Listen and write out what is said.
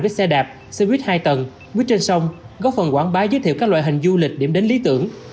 với xe đạp xe buýt hai tầng buýt trên sông góp phần quảng bá giới thiệu các loại hình du lịch điểm đến lý tưởng